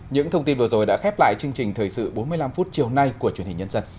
những thông tin vừa rồi đã khép lại chương trình thời sự bốn mươi năm phút chiều nay của truyền hình nhân dân